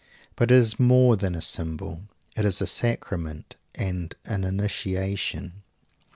But it is more than a symbol it is a sacrament and an initiation.